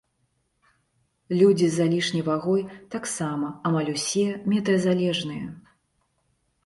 Людзі з залішняй вагой таксама амаль усе метэазалежныя.